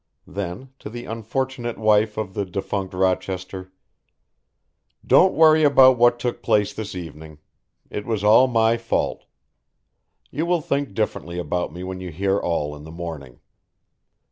Then, to the unfortunate wife of the defunct Rochester "Don't worry about what took place this evening. It was all my fault. You will think differently about me when you hear all in the morning."